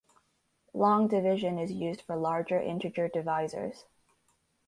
Long division is used for larger integer divisors.